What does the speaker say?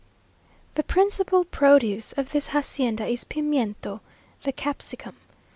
The principal produce of this hacienda is pimiento, the capsicum.